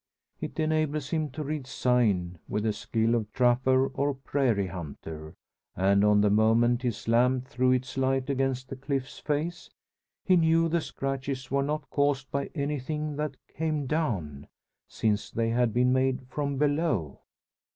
It enables him to read "sign" with the skill of trapper or prairie hunter; and on the moment his lamp threw its light against the cliff's face, he knew the scratches were not caused by anything that came down, since they had been made from below!